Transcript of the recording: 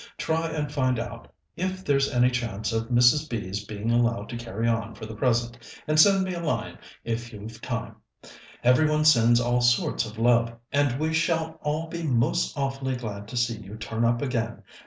Try and find out if there's any chance of Mrs. B.'s being allowed to carry on for the present, and send me a line if you've time. "Every one sends all sorts of love, and we shall all be most awfully glad to see you turn up again.